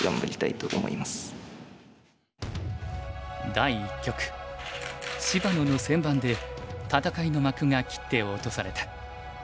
第一局芝野の先番で戦いの幕が切って落とされた。